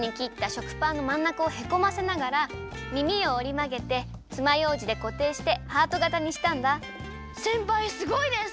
しょくパンのまんなかをへこませながらみみをおりまげてつまようじでこていしてハートがたにしたんだせんぱいすごいです！